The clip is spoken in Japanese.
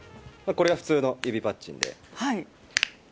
これが普通の指パッチンで。